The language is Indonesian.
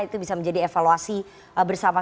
itu bisa menjadi evaluasi bersama